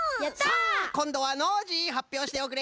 こんどはノージーはっぴょうしておくれ。